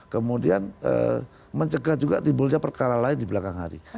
kemudian mencegah juga timbulnya perkara lain di belakang hari